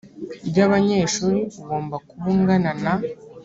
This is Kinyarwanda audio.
ry abanyeshuri ugomba kuba ungana na